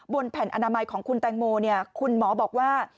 แผ่นอนามัยของคุณแตงโมคุณหมอบอกว่า